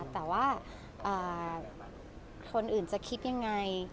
แต่ว่าคนอื่นจะคิดยังไง